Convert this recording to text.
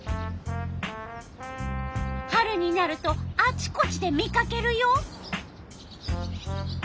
春になるとあちこちで見かけるよ。